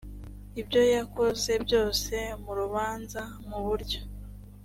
ibyo yakoze byose mu rubanza mu buryo